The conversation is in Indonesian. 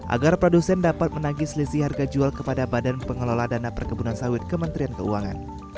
agar produsen dapat menagih selisih harga jual kepada badan pengelola dana perkebunan sawit kementerian keuangan